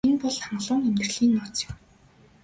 Энэ бол хангалуун амьдралын нууц юм.